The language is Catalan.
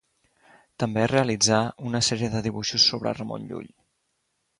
També realitzà una sèrie de dibuixos sobre Ramon Llull.